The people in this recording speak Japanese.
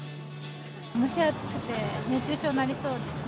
蒸し暑くて熱中症になりそうです。